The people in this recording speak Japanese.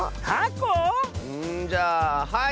んじゃあはい！